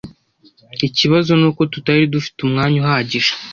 Ikibazo nuko tutari dufite umwanya uhagije.